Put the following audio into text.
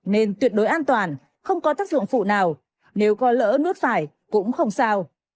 nên tuyệt đối an toàn không có tác dụng phụ nào nếu có lỡ nuốt phải cũng không sao